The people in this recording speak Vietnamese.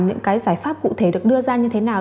những cái giải pháp cụ thể được đưa ra như thế nào